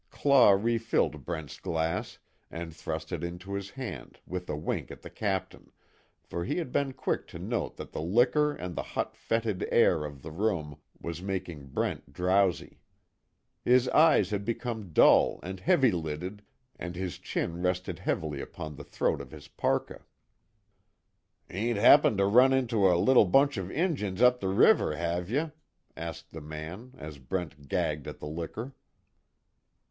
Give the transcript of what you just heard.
Claw refilled Brent's glass, and thrust it into his hand, with a wink at the captain, for he had been quick to note that the liquor and the hot fetid air of the room was making Brent drowsy. His eyes had become dull and heavy lidded, and his chin rested heavily upon the throat of his parka. "Ain't happened to run onto a little bunch of Injuns, up the river, have you?" asked the man, as Brent gagged at the liquor.